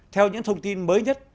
theo những thông tin mới nhất